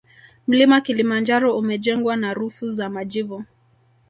Mlima kilimanjaro umejengwa na rusu za majivu